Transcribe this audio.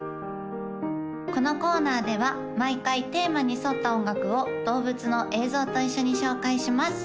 このコーナーでは毎回テーマに沿った音楽を動物の映像と一緒に紹介します